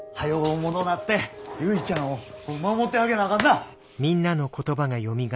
大物なって結ちゃんを守ってあげなあかんな！